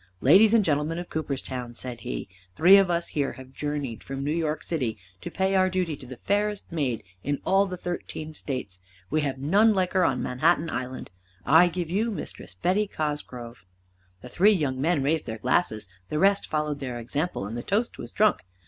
"Ladies and gentlemen of Cooperstown," said he, "three of us here have journeyed from New York City to pay our duty to the fairest maid in all the thirteen states. We have none like her on Manhattan Island. I give you Mistress Betty Cosgrove!" The three young men raised their glasses, the rest followed their example, and the toast was drunk.